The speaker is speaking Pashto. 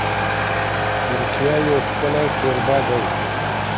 ترکیه یو ښکلی کوربه دی.